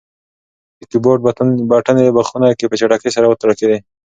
د کیبورډ بټنې په خونه کې په چټکۍ سره وتړکېدې.